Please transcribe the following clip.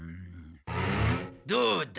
どうだ？